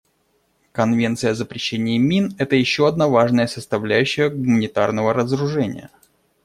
Конвенция о запрещении мин — это еще одна важная составляющая гуманитарного разоружения.